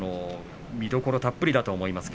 見どころたっぷりだと思います。